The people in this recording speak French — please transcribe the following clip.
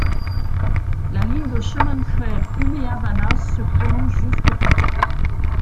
La ligne de chemin de fer Umeå-Vännäs se prolonge jusqu'au port.